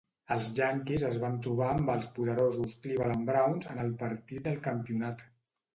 Els Yankees es van trobar amb els poderosos Cleveland Browns en el partit del campionat.